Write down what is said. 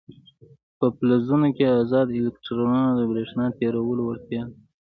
په فلزونو کې ازاد الکترونونه د برېښنا تیرولو وړتیا لري.